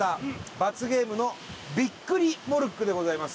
罰ゲームのびっくりモルックでございます